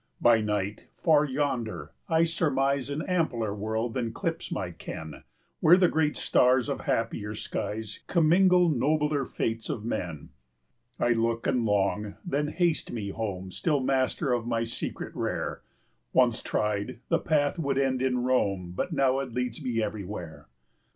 By night, far yonder, I surmise An ampler world than clips my ken, 10 Where the great stars of happier skies Commingle nobler fates of men. I look and long, then haste me home, Still master of my secret rare; Once tried, the path would end in Rome, 15 But now it leads me everywhere.